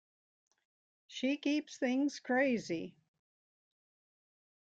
She keeps things crazy.